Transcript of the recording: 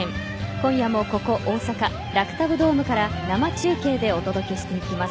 今夜もここ大阪ＲＡＣＴＡＢドームから生中継でお届けしていきます。